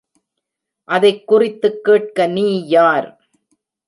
அதைக் குறித்துக் கேட்க நீ யார்?